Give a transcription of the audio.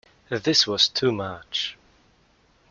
This was too much.